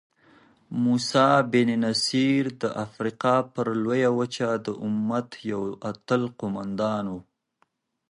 موسی بن نصیر د افریقا پر لویه وچه د امت یو اتل قوماندان وو.